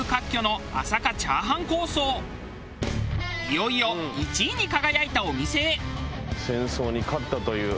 いよいよ１位に輝いたお店へ。